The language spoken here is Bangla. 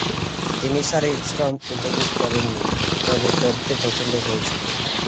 তিনি "শারীরিক শ্রম" উপভোগ করেন নি, তবে পড়তে পছন্দ করেছিলেন।